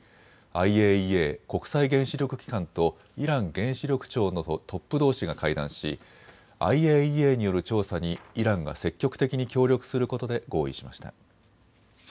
ＩＡＥＡ・国際原子力機関とイラン原子力庁のトップどうしが会談しＩＡＥＡによる調査にイランが積極的に協力することで合意しました。